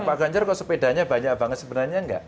pak ganjar kok sepedanya banyak banget sebenarnya enggak